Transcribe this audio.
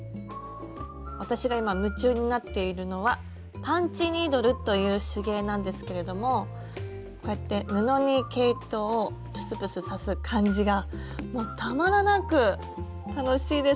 私が今夢中になっているのは「パンチニードル」という手芸なんですけれどもこうやって布に毛糸をプスプス刺す感じがもうたまらなく楽しいです。